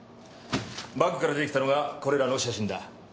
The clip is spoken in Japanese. バッグから出てきたのがこれらの写真だ。